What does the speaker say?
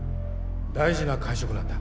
大事な会食なんだ。